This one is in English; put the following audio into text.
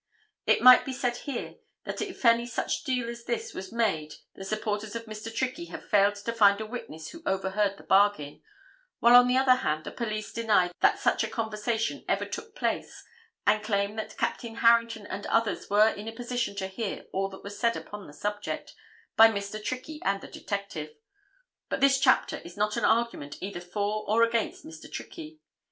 It might be said here that if any such deal as this was made the supporters of Mr. Trickey have failed to find a witness who overheard the bargain, while on the other hand the police deny that such a conversation ever took place and claim that Captain Harrington and others were in a position to hear all that was said upon the subject by Mr. Trickey and the detective. But this chapter is not an argument either for or against Mr. Trickey.